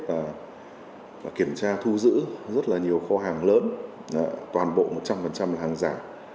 và kiểm tra thu giữ rất là nhiều kho hàng lớn toàn bộ một trăm linh là hàng giả